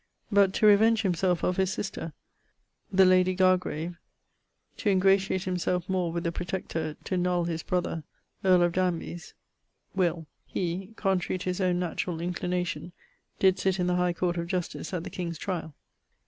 But to revenge himselfe of his sister, the l Garg to ingratiate himself more with the P to null his brother, earl of Danby's, will, he, contrary to his owne naturall inclination, did sitt in the high court of justice at the king's triall.